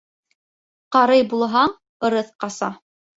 Ҡарый булһаң, ырыҫ ҡаса.